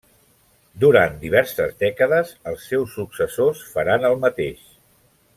Durant diverses dècades, els seus successors faran el mateix.